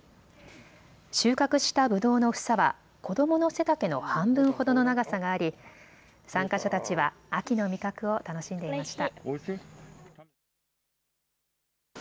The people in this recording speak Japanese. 収穫したぶどうの房は子どもの背丈の半分ほどの長さがあり、参加者たちは秋の味覚を楽しんでいました。